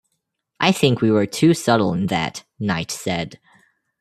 I think we were too subtle in that, Knight said.